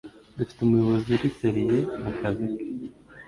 Dufite umuyobozi uri seriye mukazi ke